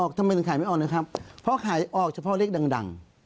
ก็แปลกเหมือนกันนะ